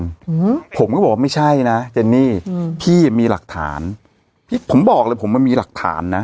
อืมผมก็บอกว่าไม่ใช่นะเจนนี่อืมพี่มีหลักฐานพี่ผมบอกเลยผมมันมีหลักฐานนะ